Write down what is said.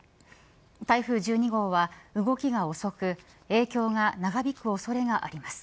台風１２号は動きが遅く影響が長引く恐れがあります。